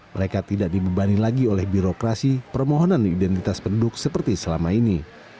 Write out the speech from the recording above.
mereka tidak dibebani lagi oleh birokrasi permohonan identitas penduduk seperti selama ini